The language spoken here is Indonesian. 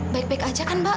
baik baik aja kan mbak